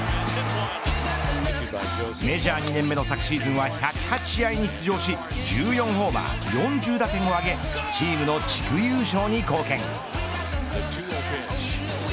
メジャー２年目の昨シーズンは１０８試合に出場し１４ホーマー、４０打点を挙げチームの地区優勝に貢献。